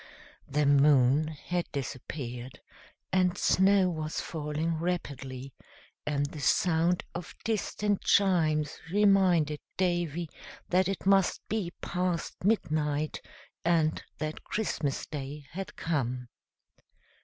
The moon had disappeared, and snow was falling rapidly, and the sound of distant chimes reminded Davy that it must be past midnight, and that Christmas day had come.